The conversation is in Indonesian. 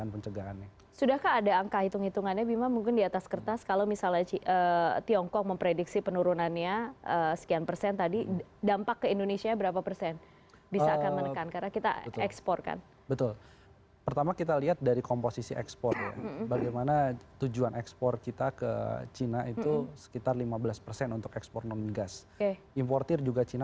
padahal teratuh perumentukan